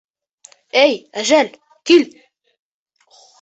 Эй әжәл, кил!